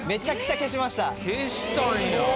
消したんや。